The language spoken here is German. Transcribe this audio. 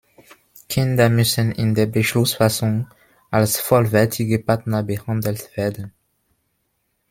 Kinder müssen in der Beschlussfassung als vollwertige Partner behandelt werden.